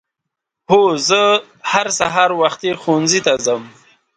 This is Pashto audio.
هو زه هر سهار وختي ښؤونځي ته ځم.